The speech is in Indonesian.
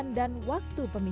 sekarang betul juga